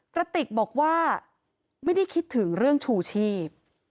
กระติกบอกว่าไม่ได้คิดถึงเรื่องชูชีพ